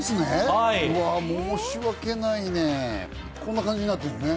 申し訳ないね、こんな感じになってるのね。